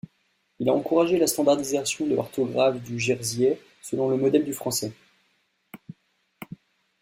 Il a encouragé la standardisation de l'orthographe du jersiais selon le modèle du français.